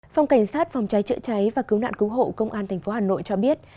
phòng cảnh sát phòng cháy chữa cháy và cứu nạn cứu hộ công an tp hà nội cho biết